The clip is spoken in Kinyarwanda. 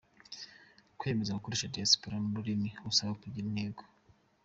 Kwiyemeza gukorera diaspora ni umurimo usaba kugira intego.